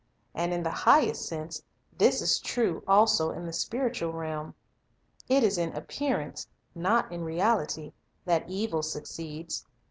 And in the highest sense this is true also in the spiritual realm. It is in appearance, not in reality, that evil succeeds.